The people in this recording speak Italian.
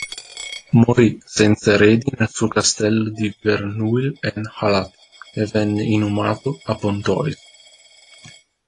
Morì senza eredi nel suo castello di Verneuil-en-Halatte e venne inumato a Pontoise.